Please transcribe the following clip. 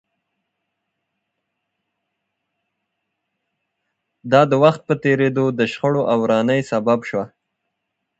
دا د وخت په تېرېدو د شخړو او ورانۍ سبب شوه